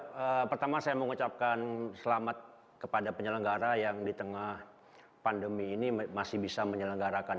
ya pertama saya mengucapkan selamat kepada penyelenggara yang di tengah pandemi ini masih bisa menyelenggarakan